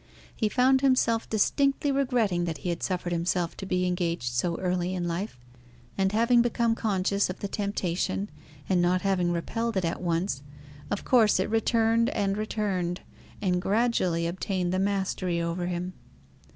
He found himself distinctly regretting that he had suffered himself to be engaged so early in life; and having become conscious of the temptation and not having repelled it at once, of course it returned and returned, and gradually obtained the mastery over him.